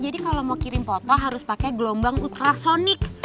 jadi kalo mau kirim foto harus pake gelombang ultrasonic